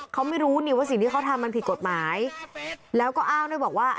เขาไม่รู้นี่ว่าสิ่งที่เขาทำมันผิดกฎหมายแล้วก็อ้างด้วยบอกว่า